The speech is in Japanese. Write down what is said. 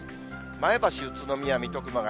前橋、宇都宮、水戸、熊谷。